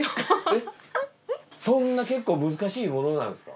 そんな結構難しいものなんですか？